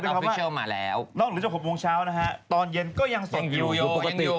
ต้องบอกที่ว่าเนื่องจาก๖โมงเช้านะคะตอนเย็นก็ยังสดอยู่เย็นอยู่